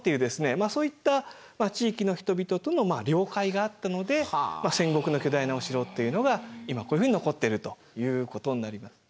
まあそういった地域の人々との了解があったので戦国の巨大なお城というのが今こういうふうに残ってるということになります。